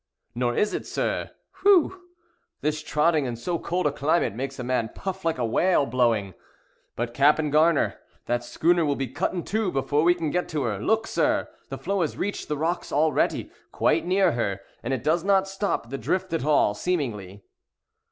"Nor is it, sir,—whew—this trotting in so cold a climate makes a man puff like a whale blowing—but, Captain Gar'ner, that schooner will be cut in two before we can get to her. Look, sir! the floe has reached the rocks already, quite near her; and it does not stop the drift at all, seemingly."